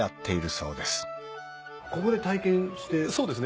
そうですね。